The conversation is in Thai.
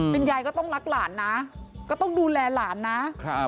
เป็นยายก็ต้องรักหลานนะก็ต้องดูแลหลานนะครับ